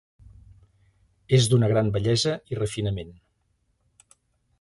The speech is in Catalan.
És d'una gran bellesa i refinament.